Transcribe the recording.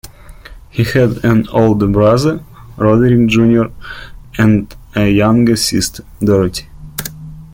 He had an older brother, Roderick Junior and a younger sister, Dorothy.